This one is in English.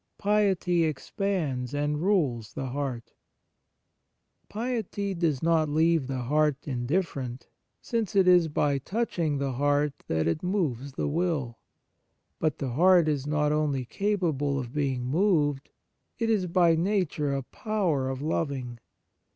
XIV PIETY EXPANDS AND RULES THE HEART PIETY does not leave the heart indifferent, since it is by touch ing the heart that it moves the will. But the heart is not only capable of being moved : it is, by nature, a power of loving.